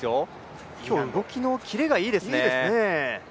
今日、動きのキレがいいですね。